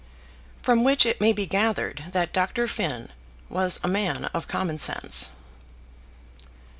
From which it may be gathered that Dr. Finn was a man of common sense.